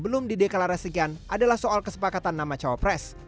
belum dideklarasikan adalah soal kesepakatan nama cawapres